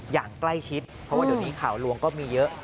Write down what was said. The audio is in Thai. อย่างใกล้ชิดเพราะว่าเดี๋ยวนี้ข่าวลวงก็มีเยอะ